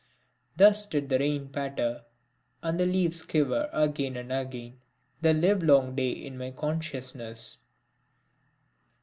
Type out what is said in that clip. Thus did the rain patter and the leaves quiver again and again, the live long day in my consciousness.